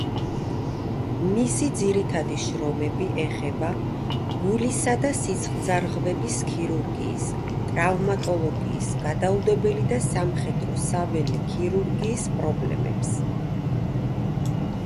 მისი ძირითადი შრომები ეხება გულისა და სისხლძარღვების ქირურგიის, ტრავმატოლოგიის, გადაუდებელი და სამხედრო-საველე ქირურგიის პრობლემებს.